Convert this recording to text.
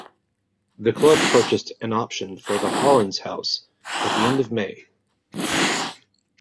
The club purchased an option for the Hollins house at the end of May.